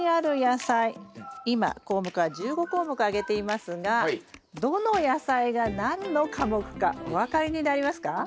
今項目は１５項目挙げていますがどの野菜が何の科目かお分かりになりますか？